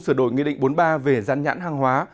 sửa đổi nghị định bốn mươi ba về gian nhãn hàng hóa